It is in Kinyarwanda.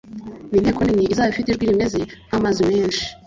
n'inteko nini izaba ifite ijwi rimeze nk'amazi menshi